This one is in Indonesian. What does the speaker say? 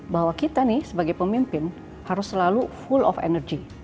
bahwa kita nih sebagai pemimpin harus selalu full of energy